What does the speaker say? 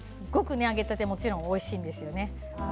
揚げたてはもちろんおいしいんですよね。